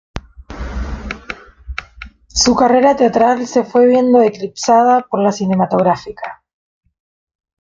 Su carrera teatral se fue viendo eclipsada por la cinematográfica.